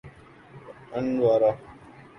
Andorra